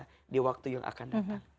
untuk kita di waktu yang akan datang